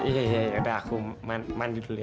ya ya ya udah aku mandi dulu ya